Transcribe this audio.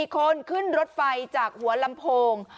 ๔คนขึ้นรถไฟจากหัวลำโพง